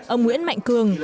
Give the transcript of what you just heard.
ông nguyễn mạnh cường